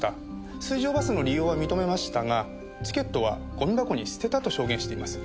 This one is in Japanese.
水上バスの利用は認めましたがチケットはゴミ箱に捨てたと証言しています。